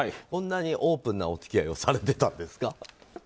こんなにオープンなお付き合いをされてたんですか。